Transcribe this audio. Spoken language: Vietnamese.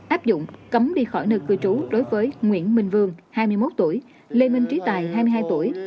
áp dụng cấm đi khỏi nơi cư trú đối với nguyễn minh vương hai mươi một tuổi lê minh trí tài hai mươi hai tuổi